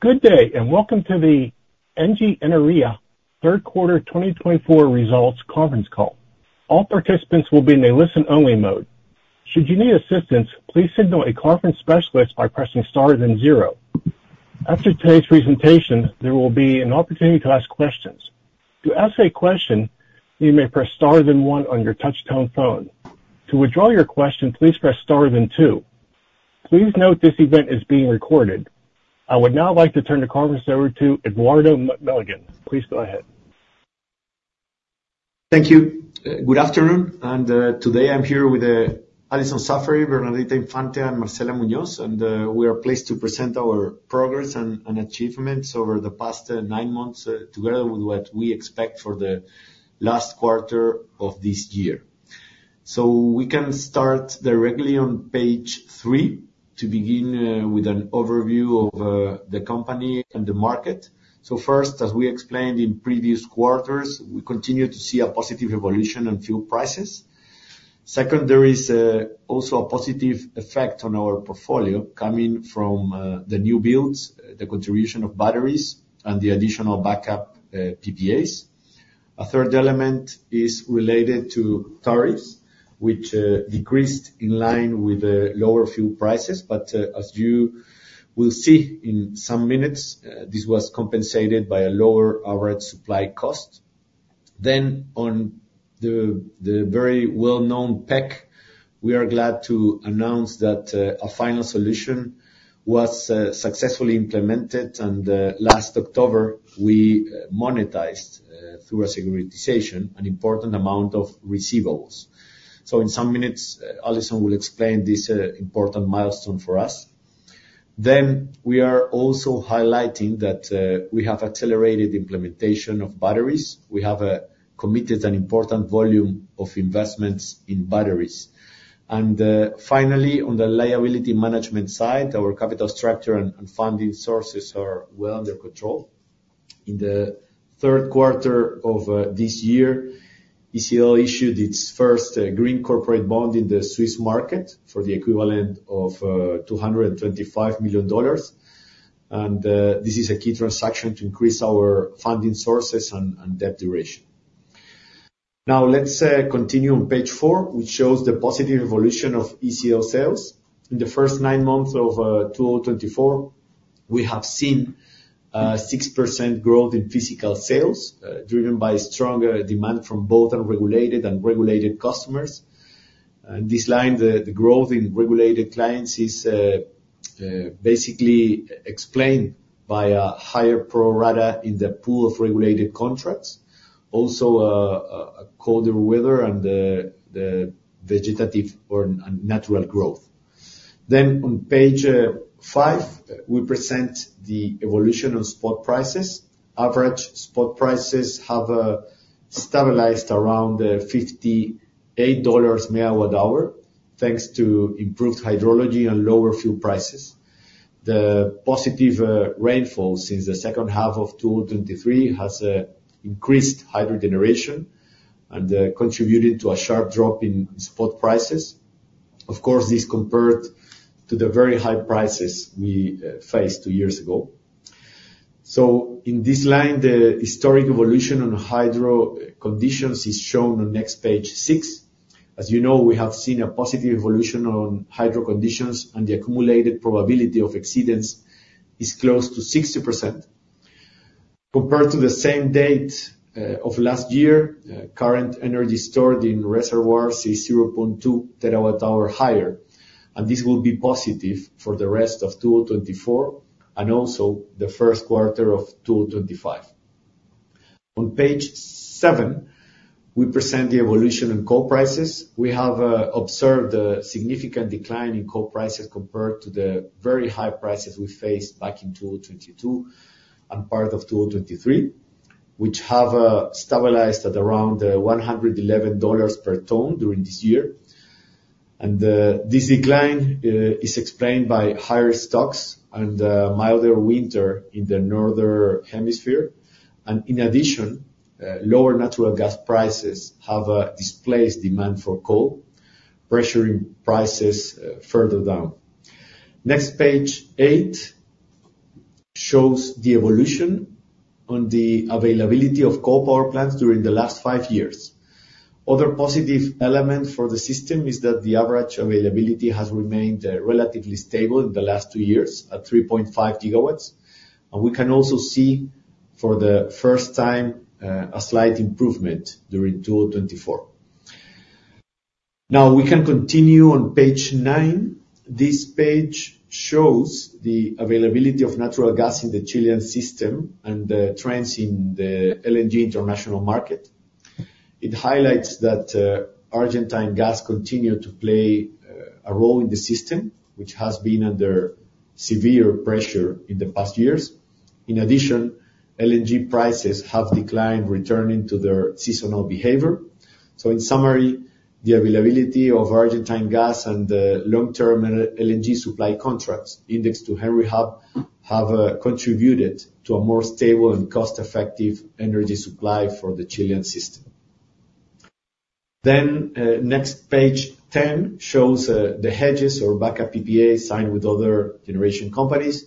Good day, and welcome to the Engie Energía third quarter 2024 results conference call. All participants will be in a listen-only mode. Should you need assistance, please signal a conference specialist by pressing star then zero. After today's presentation, there will be an opportunity to ask questions. To ask a question, you may press star then one on your touch-tone phone. To withdraw your question, please press star then two. Please note this event is being recorded. I would now like to turn the conference over to Eduardo Milligan. Please go ahead. Thank you. Good afternoon, and today I'm here with Alison Saffery, Bernadita Infante, and Marcela Muñoz, and we are pleased to present our progress and achievements over the past nine months together with what we expect for the last quarter of this year. We can start directly on page three to begin with an overview of the company and the market. First, as we explained in previous quarters, we continue to see a positive evolution in fuel prices. Second, there is also a positive effect on our portfolio coming from the new builds, the contribution of batteries, and the additional backup PPAs. A third element is related to tariffs, which decreased in line with lower fuel prices, but as you will see in some minutes, this was compensated by a lower average supply cost. On the very well-known PEC, we are glad to announce that a final solution was successfully implemented, and last October, we monetized through a securitization an important amount of receivables. So in some minutes, Alison will explain this important milestone for us. We are also highlighting that we have accelerated implementation of batteries. We have committed an important volume of investments in batteries. And finally, on the liability management side, our capital structure and funding sources are well under control. In the third quarter of this year, Engie Energía Chile issued its first green corporate bond in the Swiss market for the equivalent of $225 million. And this is a key transaction to increase our funding sources and debt duration. Now let's continue on page four, which shows the positive evolution of Engie Energía Chile sales. In the first nine months of 2024, we have seen a 6% growth in physical sales driven by stronger demand from both unregulated and regulated customers. And this line, the growth in regulated clients is basically explained by a higher pro rata in the pool of regulated contracts, also colder weather and vegetative or natural growth. Then on page five, we present the evolution of spot prices. Average spot prices have stabilized around $58 megawatt-hour thanks to improved hydrology and lower fuel prices. The positive rainfall since the second half of 2023 has increased hydrogeneration and contributed to a sharp drop in spot prices. Of course, this compared to the very high prices we faced two years ago. So in this line, the historic evolution on hydro conditions is shown on next page six. As you know, we have seen a positive evolution on hydro conditions, and the accumulated probability of exceedance is close to 60%. Compared to the same date of last year, current energy stored in reservoirs is 0.2 terawatt-hour higher, and this will be positive for the rest of 2024 and also the first quarter of 2025. On page seven, we present the evolution in coal prices. We have observed a significant decline in coal prices compared to the very high prices we faced back in 2022 and part of 2023, which have stabilized at around $111 per ton during this year, and this decline is explained by higher stocks and milder winter in the northern hemisphere, and in addition, lower natural gas prices have displaced demand for coal, pressuring prices further down. Next, page eight shows the evolution on the availability of coal power plants during the last five years. Other positive elements for the system is that the average availability has remained relatively stable in the last two years at 3.5 gigawatts, and we can also see for the first time a slight improvement during 2024. Now we can continue on page nine. This page shows the availability of natural gas in the Chilean system and the trends in the LNG international market. It highlights that Argentine gas continued to play a role in the system, which has been under severe pressure in the past years. In addition, LNG prices have declined, returning to their seasonal behavior, so in summary, the availability of Argentine gas and long-term LNG supply contracts indexed to Henry Hub have contributed to a more stable and cost-effective energy supply for the Chilean system, then next page 10 shows the hedges or backup PPA signed with other generation companies.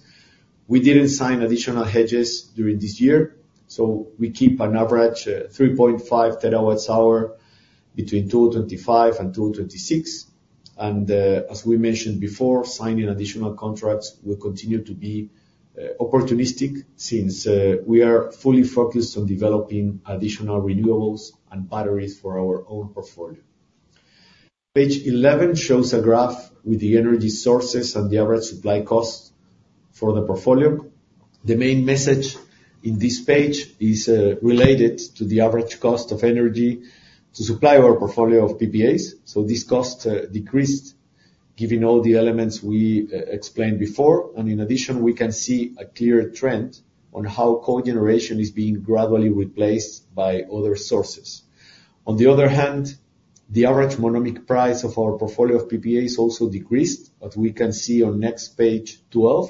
We didn't sign additional hedges during this year, so we keep an average 3.5 terawatt-hour between 2025 and 2026. As we mentioned before, signing additional contracts will continue to be opportunistic since we are fully focused on developing additional renewables and batteries for our own portfolio. Page 11 shows a graph with the energy sources and the average supply cost for the portfolio. The main message in this page is related to the average cost of energy to supply our portfolio of PPAs. This cost decreased given all the elements we explained before. In addition, we can see a clear trend on how coal generation is being gradually replaced by other sources. On the other hand, the average Monomic price of our portfolio of PPAs also decreased, but we can see on next page 12,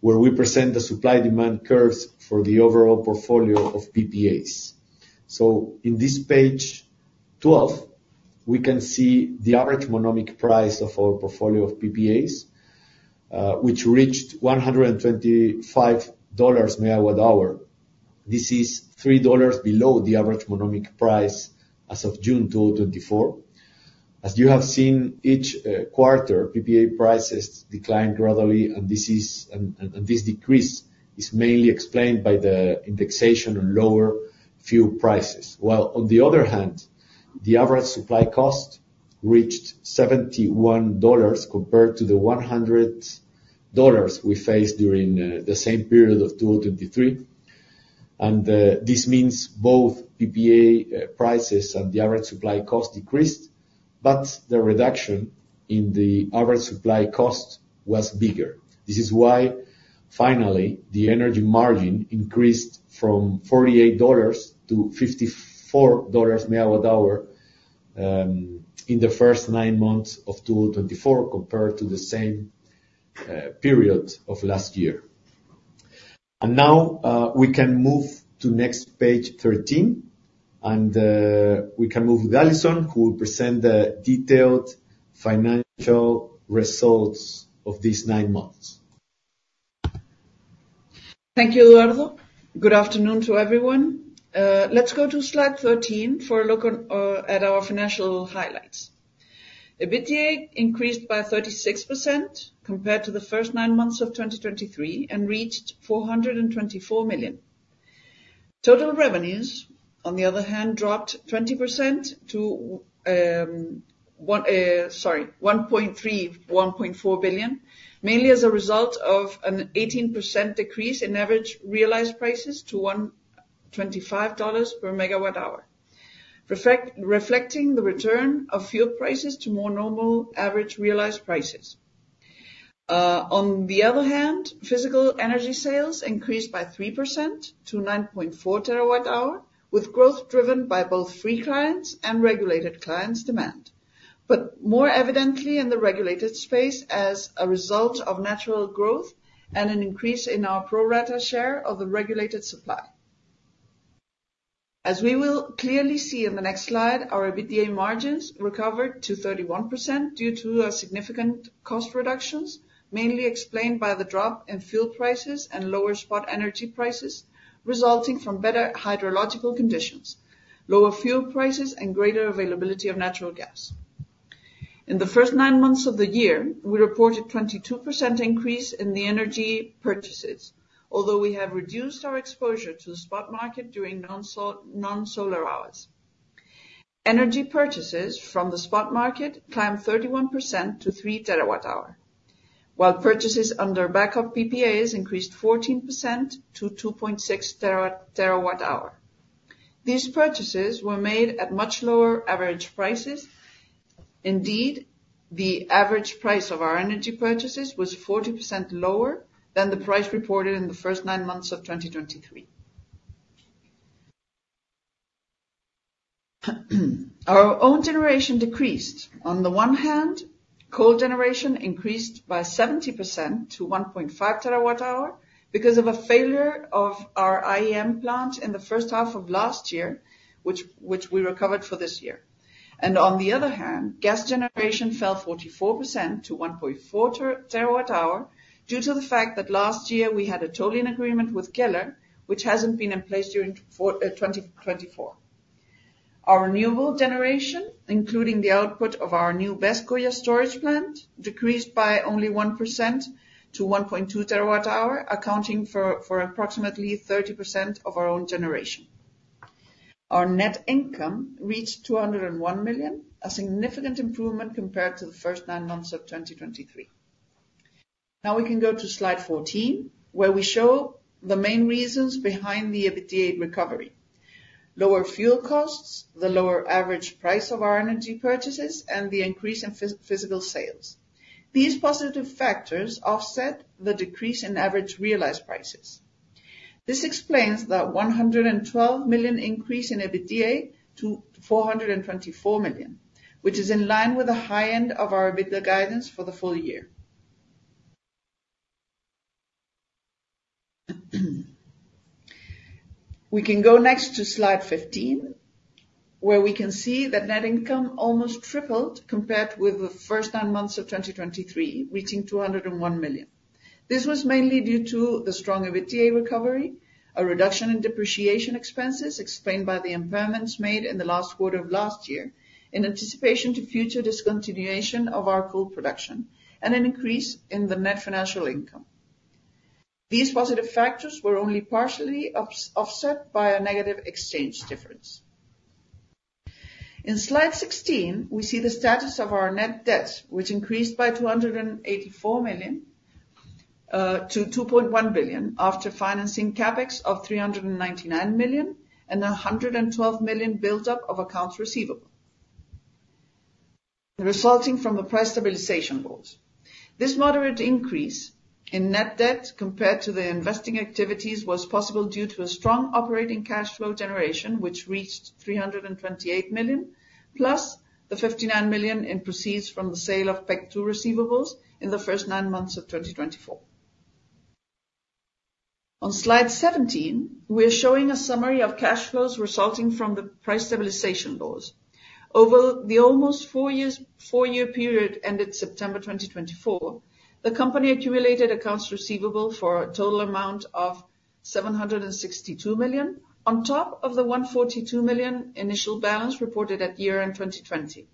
where we present the supply-demand curves for the overall portfolio of PPAs. So in this page 12, we can see the average monomic price of our portfolio of PPAs, which reached $125 megawatt-hour. This is $3 below the average monomic price as of June 2024. As you have seen, each quarter, PPA prices declined gradually, and this decrease is mainly explained by the indexation on lower fuel prices. While on the other hand, the average supply cost reached $71 compared to the $100 we faced during the same period of 2023. And this means both PPA prices and the average supply cost decreased, but the reduction in the average supply cost was bigger. This is why finally the energy margin increased from $48 to $54 megawatt-hour in the first nine months of 2024 compared to the same period of last year. Now we can move to next page 13, and we can move with Alison, who will present the detailed financial results of these nine months. Thank you, Eduardo. Good afternoon to everyone. Let's go to slide 13 for a look at our financial highlights. EBITDA increased by 36% compared to the first nine months of 2023 and reached $424 million. Total revenues, on the other hand, dropped 20% to, sorry, $1.3 billion, $1.4 billion, mainly as a result of an 18% decrease in average realized prices to $125 per megawatt-hour, reflecting the return of fuel prices to more normal average realized prices. On the other hand, physical energy sales increased by 3% to 9.4 terawatt-hour, with growth driven by both free clients and regulated clients' demand, but more evidently in the regulated space as a result of natural growth and an increase in our pro rata share of the regulated supply. As we will clearly see in the next slide, our EBITDA margins recovered to 31% due to significant cost reductions, mainly explained by the drop in fuel prices and lower spot energy prices resulting from better hydrological conditions, lower fuel prices, and greater availability of natural gas. In the first nine months of the year, we reported a 22% increase in the energy purchases, although we have reduced our exposure to the spot market during non-solar hours. Energy purchases from the spot market climbed 31% to 3 terawatt-hour, while purchases under backup PPAs increased 14% to 2.6 terawatt-hour. These purchases were made at much lower average prices. Indeed, the average price of our energy purchases was 40% lower than the price reported in the first nine months of 2023. Our own generation decreased. On the one hand, coal generation increased by 70% to 1.5 terawatt-hour because of a failure of our IEM plant in the first half of last year, which we recovered for this year. And on the other hand, gas generation fell 44% to 1.4 terawatt-hour due to the fact that last year we had a tolling agreement with Kelar, which hasn't been in place during 2024. Our renewable generation, including the output of our new BESS Coya storage plant, decreased by only 1% to 1.2 terawatt-hour, accounting for approximately 30% of our own generation. Our net income reached $201 million, a significant improvement compared to the first nine months of 2023. Now we can go to slide 14, where we show the main reasons behind the EBITDA recovery: lower fuel costs, the lower average price of our energy purchases, and the increase in physical sales. These positive factors offset the decrease in average realized prices. This explains the $112 million increase in EBITDA to $424 million, which is in line with the high end of our EBITDA guidance for the full year. We can go next to slide 15, where we can see that net income almost tripled compared with the first nine months of 2023, reaching $201 million. This was mainly due to the strong EBITDA recovery, a reduction in depreciation expenses explained by the impairments made in the last quarter of last year in anticipation of future discontinuation of our coal production, and an increase in the net financial income. These positive factors were only partially offset by a negative exchange difference. In slide 16, we see the status of our net debt, which increased by $284 million to $2.1 billion after financing CapEx of $399 million and a $112 million build-up of accounts receivable resulting from the price stabilization goals. This moderate increase in net debt compared to the investing activities was possible due to a strong operating cash flow generation, which reached $328 million, plus the $59 million in proceeds from the sale of PEC II receivables in the first nine months of 2024. On slide 17, we are showing a summary of cash flows resulting from the price stabilization goals. Over the almost four-year period ended September 2024, the company accumulated accounts receivable for a total amount of $762 million on top of the $142 million initial balance reported at year-end 2020.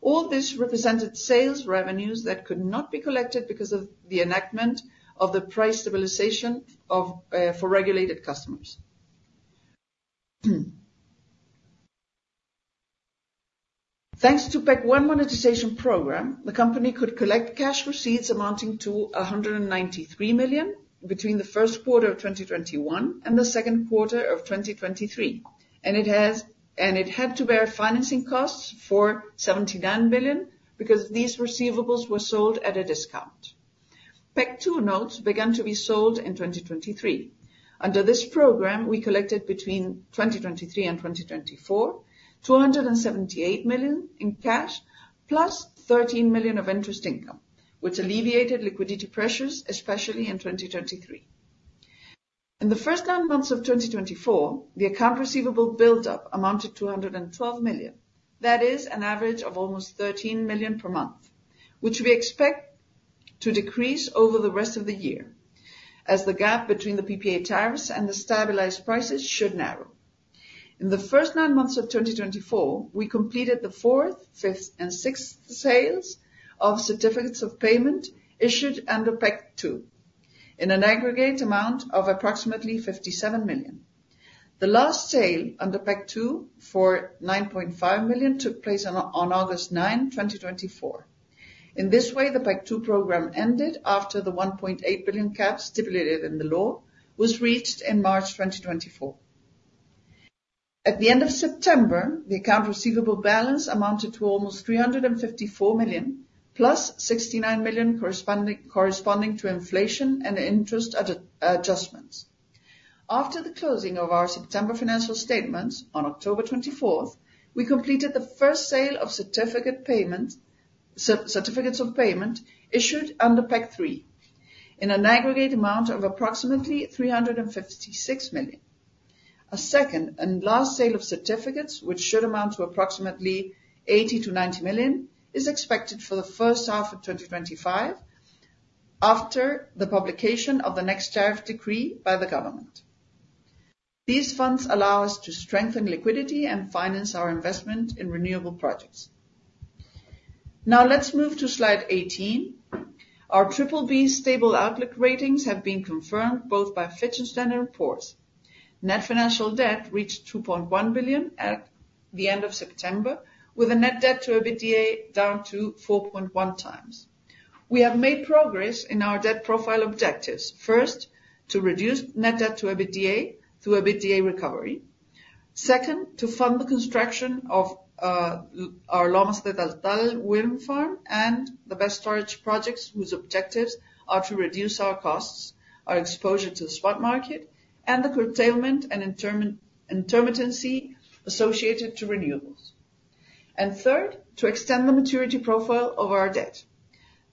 All this represented sales revenues that could not be collected because of the enactment of the price stabilization for regulated customers. Thanks to PEC I monetization program, the company could collect cash receipts amounting to $193 million between the first quarter of 2021 and the second quarter of 2023. It had to bear financing costs for $79 million because these receivables were sold at a discount. PEC II notes began to be sold in 2023. Under this program, we collected between 2023 and 2024, $278 million in cash, plus $13 million of interest income, which alleviated liquidity pressures, especially in 2023. In the first nine months of 2024, the account receivable build-up amounted to $112 million. That is an average of almost $13 million per month, which we expect to decrease over the rest of the year as the gap between the PPA tariffs and the stabilized prices should narrow. In the first nine months of 2024, we completed the fourth, fifth, and sixth sales of certificates of payment issued under PEC II in an aggregate amount of approximately $57 million. The last sale under PEC II for $9.5 million took place on August 9, 2024. In this way, the PEC II program ended after the $1.8 billion cap stipulated in the law was reached in March 2024. At the end of September, the account receivable balance amounted to almost $354 million, plus $69 million corresponding to inflation and interest adjustments. After the closing of our September financial statements on October 24, we completed the first sale of certificates of payment issued under PEC III in an aggregate amount of approximately $356 million. A second and last sale of certificates, which should amount to approximately $80-$90 million, is expected for the first half of 2025 after the publication of the next tariff decree by the government. These funds allow us to strengthen liquidity and finance our investment in renewable projects. Now let's move to slide 18. Our BBB stable outlook ratings have been confirmed both by Fitch and Standard & Poor's. Net financial debt reached $2.1 billion at the end of September, with a net debt to EBITDA down to 4.1 times. We have made progress in our debt profile objectives. First, to reduce net debt to EBITDA through EBITDA recovery. Second, to fund the construction of our Lomas de Taltal wind farm and the BESS storage projects, whose objectives are to reduce our costs, our exposure to the spot market, and the curtailment and intermittency associated with renewables. And third, to extend the maturity profile of our debt.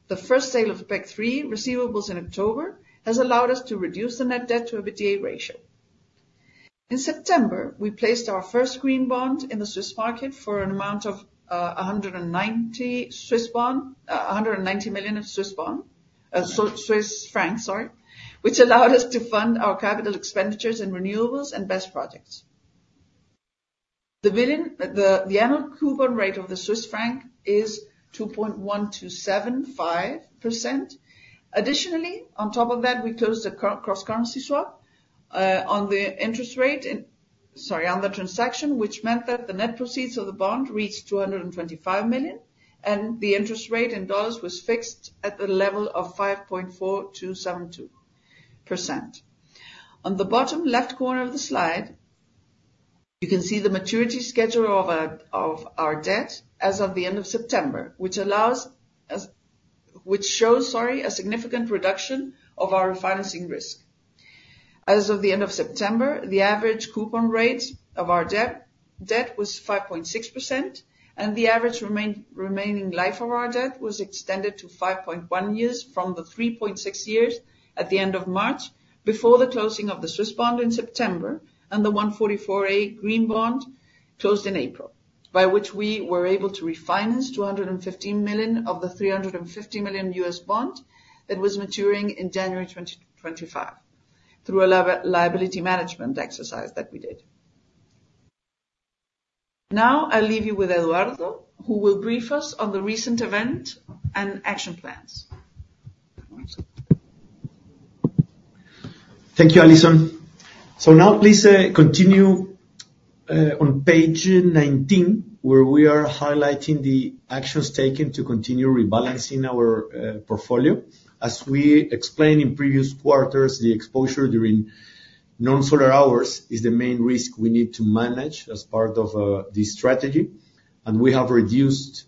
The first sale of PEC III receivables in October has allowed us to reduce the net debt to EBITDA ratio. In September, we placed our first green bond in the Swiss market for an amount of 190 million in Swiss francs, which allowed us to fund our capital expenditures in renewables and BESS projects. The annual coupon rate of the Swiss franc is 2.1275%. Additionally, on top of that, we closed a cross-currency swap on the interest rate on the transaction, which meant that the net proceeds of the bond reached $225 million, and the interest rate in dollars was fixed at the level of 5.4272%. On the bottom left corner of the slide, you can see the maturity schedule of our debt as of the end of September, which shows a significant reduction of our financing risk. As of the end of September, the average coupon rate of our debt was 5.6%, and the average remaining life of our debt was extended to 5.1 years from the 3.6 years at the end of March before the closing of the Swiss bond in September and the 144A green bond closed in April, by which we were able to refinance $215 million of the $350 million US bond that was maturing in January 2025 through a liability management exercise that we did. Now I'll leave you with Eduardo, who will brief us on the recent event and action plans. Thank you, Alison. So now please continue on page 19, where we are highlighting the actions taken to continue rebalancing our portfolio. As we explained in previous quarters, the exposure during non-solar hours is the main risk we need to manage as part of this strategy, and we have reduced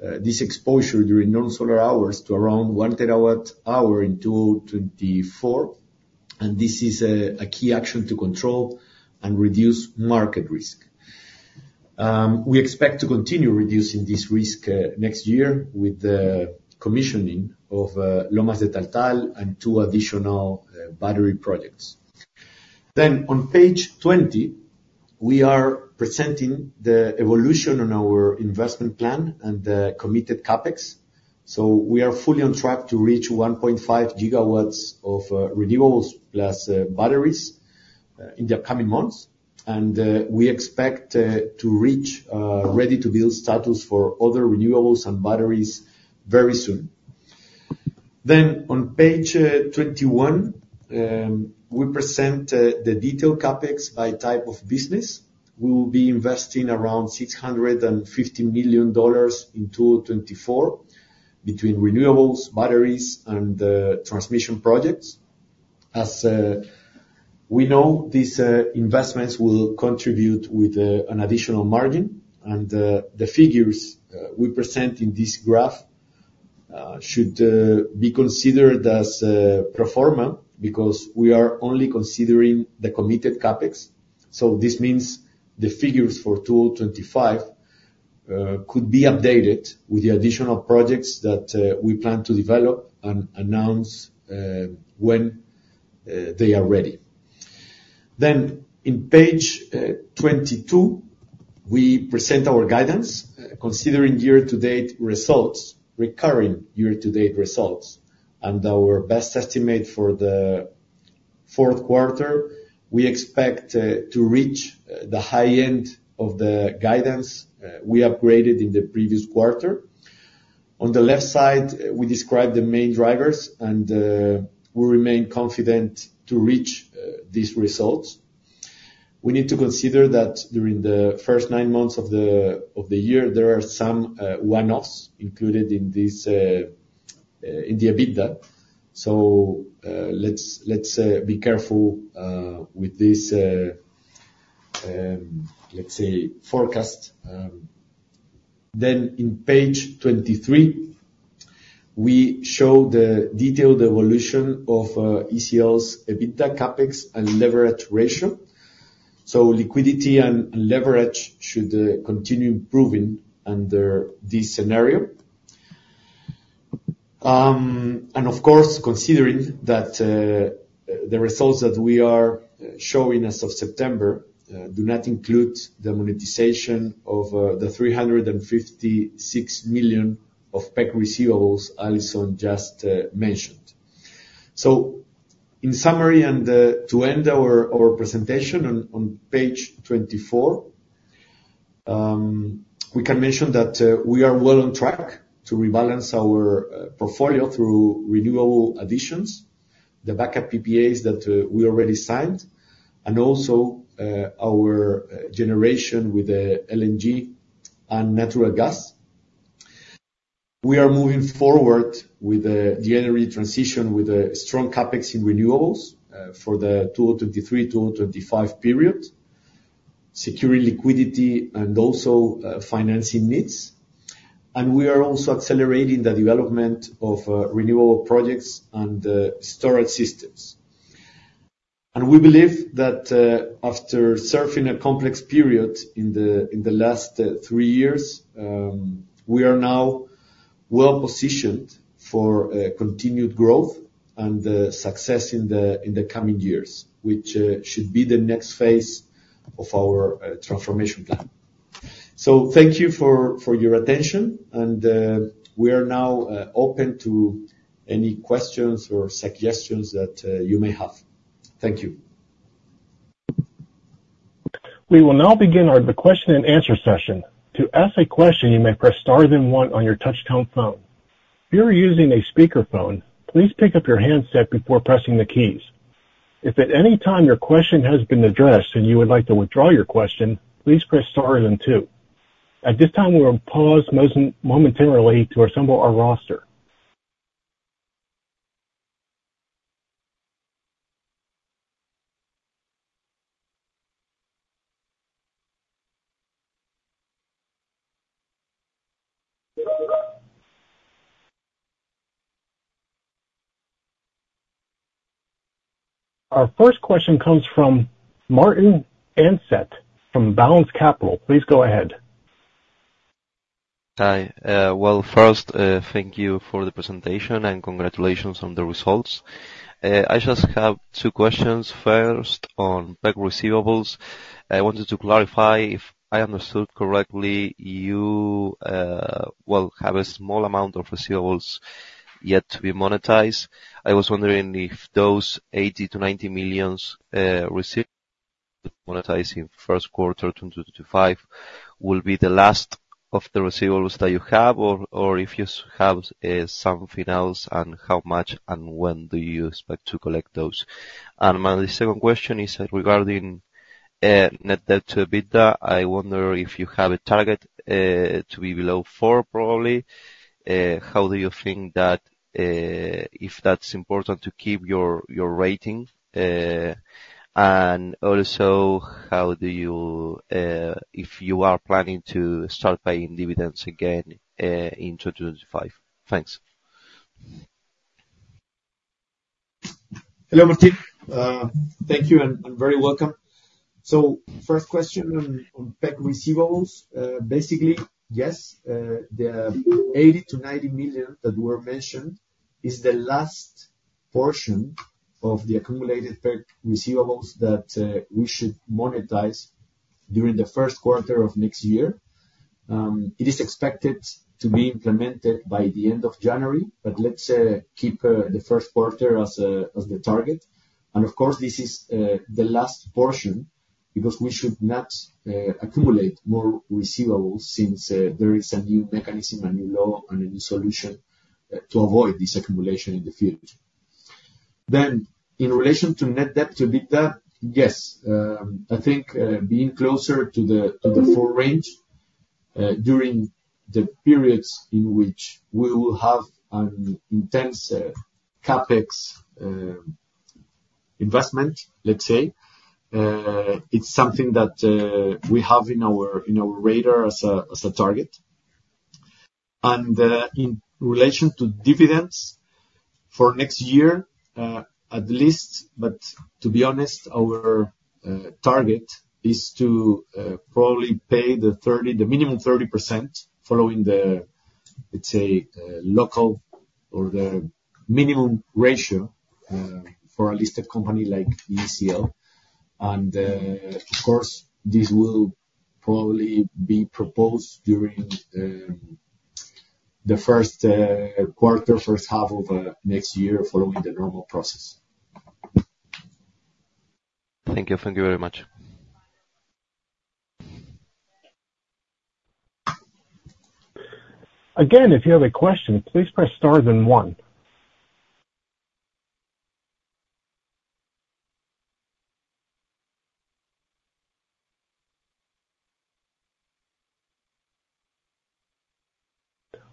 this exposure during non-solar hours to around one terawatt-hour in 2024, and this is a key action to control and reduce market risk. We expect to continue reducing this risk next year with the commissioning of Lomas de Taltal and two additional battery projects, then on page 20, we are presenting the evolution on our investment plan and the committed CapEx, so we are fully on track to reach 1.5 gigawatts of renewables plus batteries in the upcoming months, and we expect to reach ready-to-build status for other renewables and batteries very soon. On page 21, we present the detailed CapEx by type of business. We will be investing around $650 million in 2024 between renewables, batteries, and transmission projects. As we know, these investments will contribute with an additional margin. The figures we present in this graph should be considered as pro forma because we are only considering the committed CapEx. This means the figures for 2025 could be updated with the additional projects that we plan to develop and announce when they are ready. In page 22, we present our guidance, considering year-to-date results, recurring year-to-date results, and our best estimate for the fourth quarter. We expect to reach the high end of the guidance we upgraded in the previous quarter. On the left side, we describe the main drivers, and we remain confident to reach these results. We need to consider that during the first nine months of the year, there are some one-offs included in the EBITDA, so let's be careful with this, let's say, forecast, then in page 23, we show the detailed evolution of ECL's EBITDA CapEx and leverage ratio, so liquidity and leverage should continue improving under this scenario, and of course, considering that the results that we are showing as of September do not include the monetization of the $356 million of PEC receivables Alison just mentioned, so in summary, and to end our presentation on page 24, we can mention that we are well on track to rebalance our portfolio through renewable additions, the backup PPAs that we already signed, and also our generation with LNG and natural gas. We are moving forward with the energy transition with a strong CapEx in renewables for the 2023-2025 period, securing liquidity and also financing needs. And we are also accelerating the development of renewable projects and storage systems. And we believe that after surfing a complex period in the last three years, we are now well positioned for continued growth and success in the coming years, which should be the next phase of our transformation plan. So thank you for your attention. And we are now open to any questions or suggestions that you may have. Thank you. We will now begin our question-and-answer session. To ask a question, you may press star then one on your touch-tone phone. If you're using a speakerphone, please pick up your handset before pressing the keys. If at any time your question has been addressed and you would like to withdraw your question, please press star then two. At this time, we will pause momentarily to assemble our roster. Our first question comes from Martin Ansett from Balanz Capital. Please go ahead. Hi. Well, first, thank you for the presentation and congratulations on the results. I just have two questions. First, on PEC receivables, I wanted to clarify if I understood correctly, you will have a small amount of receivables yet to be monetized. I was wondering if those $80-$90 million monetized in the first quarter 2025 will be the last of the receivables that you have, or if you have something else and how much and when do you expect to collect those. And my second question is regarding net debt to EBITDA. I wonder if you have a target to be below four, probably. How do you think that if that's important to keep your rating? And also, how do you, if you are planning to start paying dividends again in 2025? Thanks. Hello, Martin. Thank you and very welcome. So first question on PEC receivables. Basically, yes. The $80-$90 million that were mentioned is the last portion of the accumulated PEC receivables that we should monetize during the first quarter of next year. It is expected to be implemented by the end of January, but let's keep the first quarter as the target. And of course, this is the last portion because we should not accumulate more receivables since there is a new mechanism, a new law, and a new solution to avoid this accumulation in the future. Then in relation to net debt to EBITDA, yes. I think being closer to the full range during the periods in which we will have an intense CapEx investment, let's say, it's something that we have in our radar as a target. And in relation to dividends for next year, at least, but to be honest, our target is to probably pay the minimum 30% following the, let's say, local or the minimum ratio for a listed company like ECL. And of course, this will probably be proposed during the first quarter, first half of next year following the normal process. Thank you. Thank you very much. Again, if you have a question, please press star then one.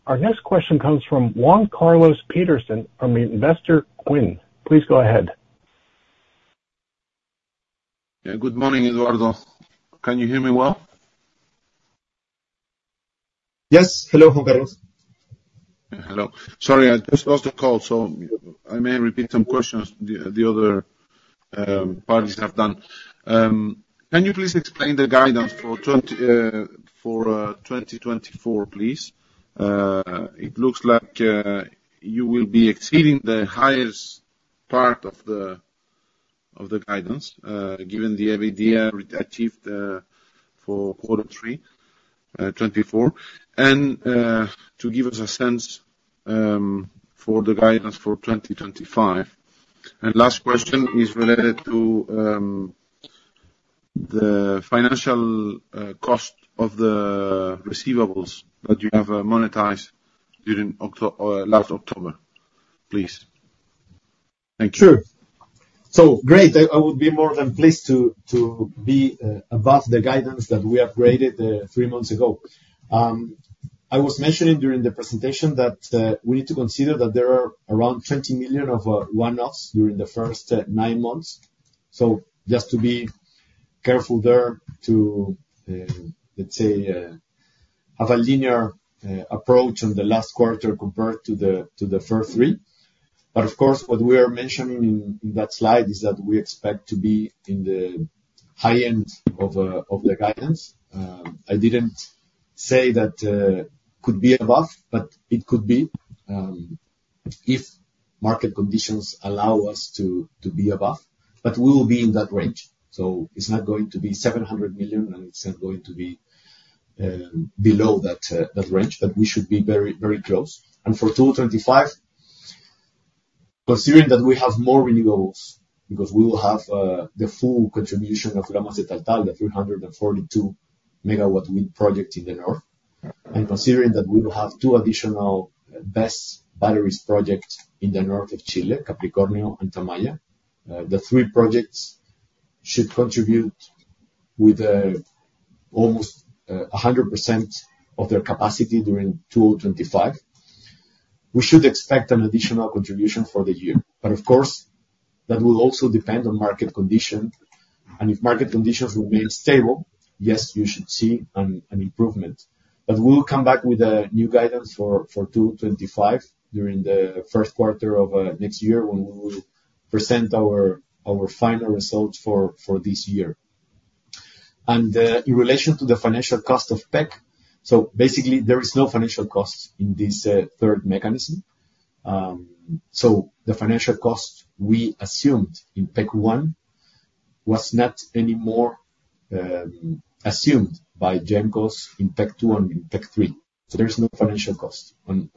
Our next question comes from Juan Carlos Pederson from Investor Quinn. Please go ahead. Good morning, Eduardo. Can you hear me well? Yes. Hello, Juan Carlos. Hello. Sorry, I just lost the call, so I may repeat some questions the other parties have done. Can you please explain the guidance for 2024, please? It looks like you will be exceeding the highest part of the guidance given the EBITDA achieved for quarter three, 24. And to give us a sense for the guidance for 2025. And last question is related to the financial cost of the receivables that you have monetized during last October, please. Thank you. Sure, so great. I would be more than pleased to be above the guidance that we upgraded three months ago. I was mentioning during the presentation that we need to consider that there are around $20 million of one-offs during the first nine months, so just to be careful there, too, let's say, have a linear approach on the last quarter compared to the first three, but of course, what we are mentioning in that slide is that we expect to be in the high end of the guidance. I didn't say that it could be above, but it could be if market conditions allow us to be above, but we will be in that range, so it's not going to be $700 million, and it's not going to be below that range, but we should be very, very close. For 2025, considering that we have more renewables because we will have the full contribution of Lomas de Taltal, the 342-megawatt wind project in the north. Considering that we will have two additional BESS battery projects in the north of Chile, Capricornio and Tamaya, the three projects should contribute with almost 100% of their capacity during 2025. We should expect an additional contribution for the year. But of course, that will also depend on market conditions. If market conditions remain stable, yes, you should see an improvement. We will come back with a new guidance for 2025 during the first quarter of next year when we will present our final results for this year. In relation to the financial cost of PEC, so basically, there is no financial cost in this third mechanism. So the financial cost we assumed in PEC 1 was not anymore assumed by GenCos in PEC 2 and in PEC 3. So there is no financial cost. On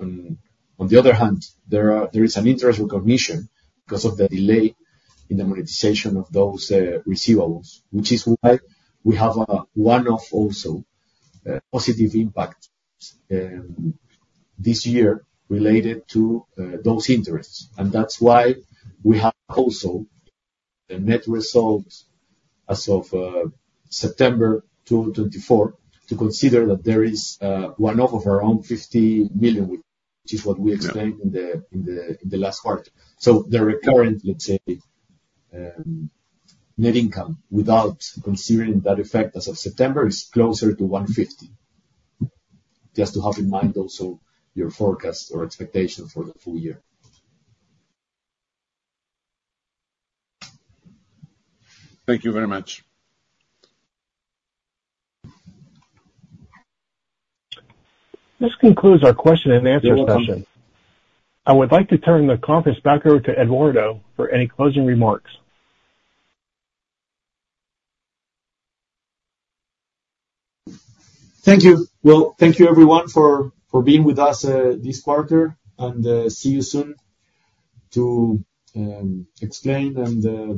the other hand, there is an interest recognition because of the delay in the monetization of those receivables, which is why we have a one-off also positive impact this year related to those interests. And that's why we have also the net results as of September 2024 to consider that there is one-off of around 50 million, which is what we explained in the last quarter. So the recurrent, let's say, net income without considering that effect as of September is closer to 150. Just to have in mind also your forecast or expectation for the full year. Thank you very much. This concludes our question and answer session. I would like to turn the conference back over to Eduardo for any closing remarks. Thank you. Well, thank you, everyone, for being with us this quarter, and see you soon to explain and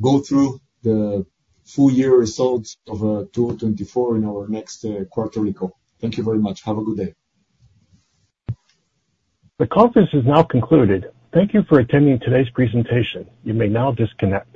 go through the full year results of 2024 in our next quarterly call. Thank you very much. Have a good day. The conference is now concluded. Thank you for attending today's presentation. You may now disconnect.